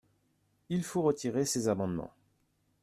Il faut retirer ces amendements